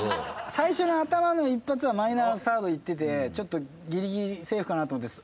最初の頭の一発はマイナーサードいっててちょっとギリギリセーフかなと思ったんです。